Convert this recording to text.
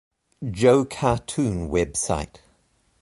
Joe Cartoon Website.